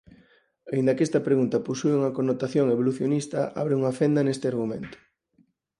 Aínda que esta pregunta posúe unha connotación evolucionista abre unha fenda neste argumento.